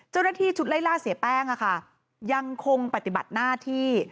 เจ้าหน้าที่ชุดไล่ล่าเสียแป้งยังคงปฏิบัติหน้าที่